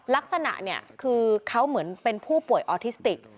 ลักษณะเนี่ยคือเขาเหมือนเป็นผู้ป่วยออทิสติก